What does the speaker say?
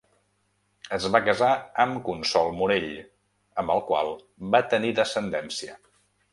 Es va casar amb Consol Morell, amb el qual va tenir descendència.